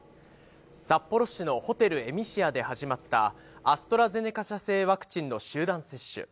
札幌市のホテルエミシアで始まった、アストラゼネカ社製ワクチンの集団接種。